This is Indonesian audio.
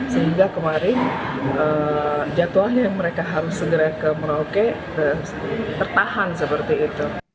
sehingga kemarin jadwalnya yang mereka harus segera ke merauke tertahan seperti itu